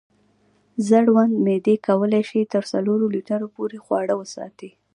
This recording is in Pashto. زړوند معدې کولی شي تر څلورو لیټرو پورې خواړه وساتي.